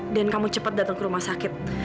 dan kamu cepat datang ke rumah sakit